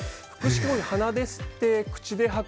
鼻で吸って、口で吐く。